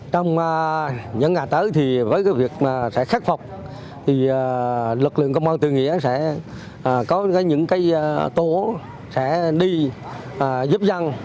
trong những ngày tới thì với cái việc sẽ khắc phục thì lực lượng công an tư nghĩa sẽ có những cái tố sẽ đi giúp dân